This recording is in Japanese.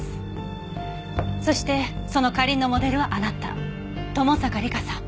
そしてその花凛のモデルはあなた友坂梨香さん。